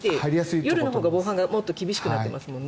夜のほうが防犯がもっと厳しくなってますもんね。